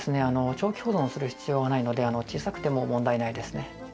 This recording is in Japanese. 長期保存する必要がないので小さくても問題ないですね。